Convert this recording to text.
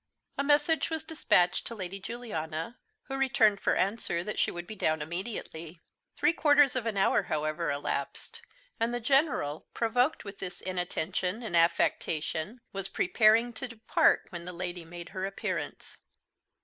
A message was despatched to Lady Juliana, who returned for answer that she would be down immediately. Three quarters of an hour, however, elapsed; and the General, provoked with this inattention and affectation, was preparing to depart when the Lady made her appearance.